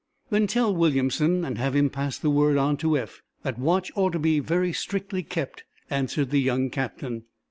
"Then tell Williamson, and have him pass the word on to Eph, that watch ought to be very strictly kept," answered the young captain.